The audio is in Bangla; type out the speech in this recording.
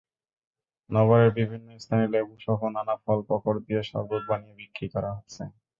নগরের বিভিন্ন স্থানে লেবুসহ নানা ফলপাকড় দিয়ে শরবত বানিয়ে বিক্রি করা হচ্ছে।